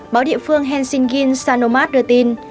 báo địa phương helsinki sanomat đưa tin